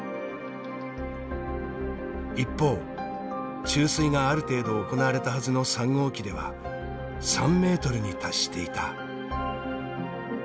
一方注水がある程度行われたはずの３号機では３メートルに達していた。